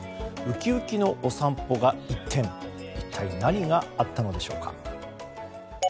ウキウキのお散歩が一転一体何があったのでしょうか。